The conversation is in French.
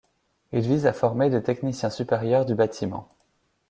Il vise à former des techniciens supérieurs du bâtiment.